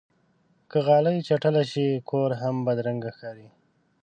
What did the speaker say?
که غالۍ چټله شي، کور هم بدرنګه ښکاري.